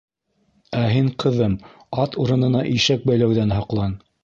«Ә һин, ҡыҙым, ат урынына ишәк бәйләүҙән һаҡлан!».